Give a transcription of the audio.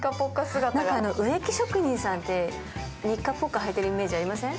植木職人さんってニッカボッカはいてるイメージありません？